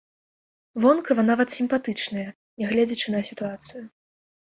Вонкава нават сімпатычныя, нягледзячы на сітуацыю.